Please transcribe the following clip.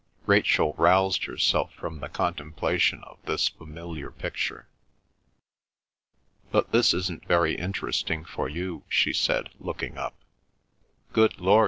Rachel roused herself from the contemplation of this familiar picture. "But this isn't very interesting for you," she said, looking up. "Good Lord!"